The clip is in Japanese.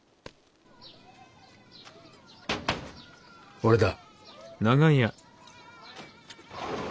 俺だ。